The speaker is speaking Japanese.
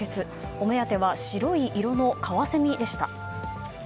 お目当ては白い色のカワセミでした。